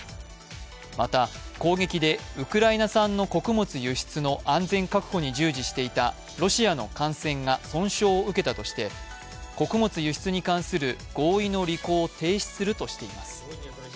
また、攻撃でウクライナ産の穀物輸出の安全確保に従事していたロシアの艦船が損傷を受けたとして穀物輸出に関する合意の履行を停止するとしています。